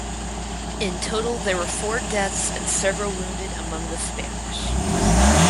In total there were four deaths and several wounded among the Spanish.